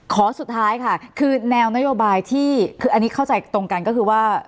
สุดท้ายค่ะคือแนวนโยบายที่คืออันนี้เข้าใจตรงกันก็คือว่า